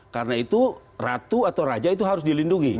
karena itu ratu atau raja itu harus dilindungi